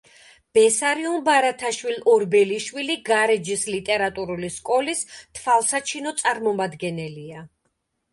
ბესარიონ ბარათაშვილ-ორბელიშვილი გარეჯის ლიტერატურული სკოლის თვალსაჩინო წარმომადგენელია.